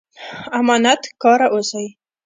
امانت کاره اوسئ